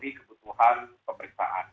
jadi kami menunggu kebutuhan pemeriksaan